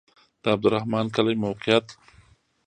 د عبدالرحمن کلی موقعیت